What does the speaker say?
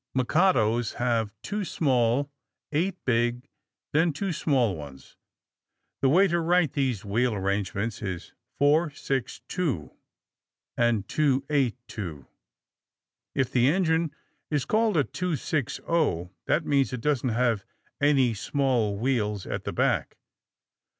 Mikados have two small, eight big, then two small ones. The way to write these wheel arrangements is 4 6 2 and 2 8 2. If an engine is called a 2 6 0, that means it doesn't have any small wheels at the back.